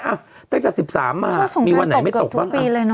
ตั้งแต่๑๓มามีวันไหนไม่ตกบ้าง